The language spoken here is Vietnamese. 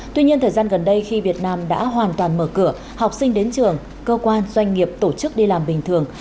tuy nhiên thời gian gần đây khi việt nam đã hoàn toàn mở cửa học sinh đến trường cơ quan doanh nghiệp tổ chức đi làm bình thường